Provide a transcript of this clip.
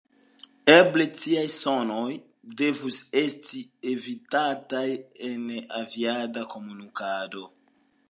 Eble tiaj sonoj devus esti evitataj en aviada komunikado.